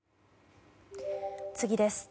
次です。